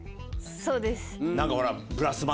そうです。